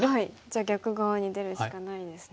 じゃあ逆側に出るしかないですね。